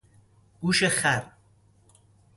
گوش خر